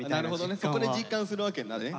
そこで実感するわけだね。